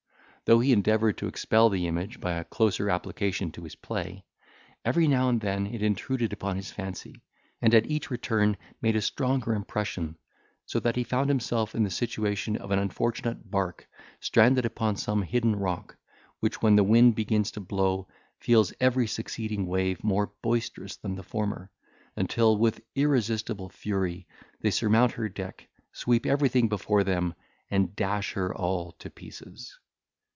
Though he endeavoured to expel the image, by a closer application to his play, every now and then it intruded upon his fancy, and at each return made a stronger impression; so that he found himself in the situation of an unfortunate bark stranded upon some hidden rock, which, when the wind begins to blow, feels every succeeding wave more boisterous than the former, until, with irresistible fury, they surmount her deck, sweep everything before them, and dash her all to pieces.